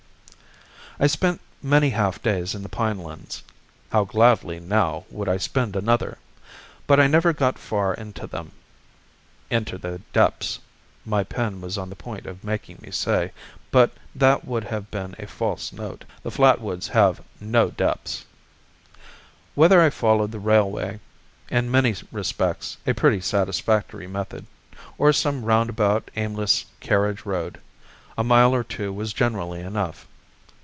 I spent many half days in the pine lands (how gladly now would I spend another!), but never got far into them. ("Into their depths," my pen was on the point of making me say; but that would have been a false note. The flat woods have no "depths.") Whether I followed the railway, in many respects a pretty satisfactory method, or some roundabout, aimless carriage road, a mile or two was generally enough.